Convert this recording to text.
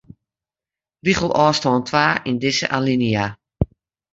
Rigelôfstân twa yn dizze alinea.